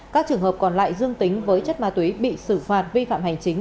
các trường hợp còn lại dương tính với chất ma túy bị xử phạt vi phạm hành chính